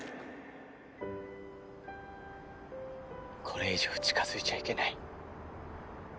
これ以上近づいちゃいけない。